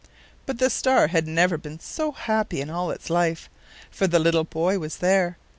But the star had never been so happy in all its life; for the little boy was there.